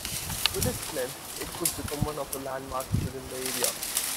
With its length, it would become one of the landmarks within the area.